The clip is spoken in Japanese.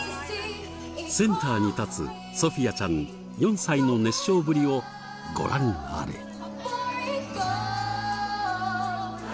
センターに立つソフィアちゃん４歳の熱唱ぶりをご覧あれ。